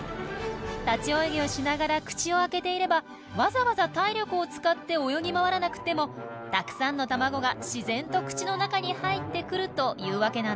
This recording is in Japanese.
立ち泳ぎをしながら口を開けていればわざわざ体力を使って泳ぎ回らなくてもたくさんの卵が自然と口の中に入ってくるというわけなんです。